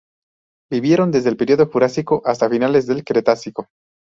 Vivieron desde el período Jurásico hasta finales del Cretácico.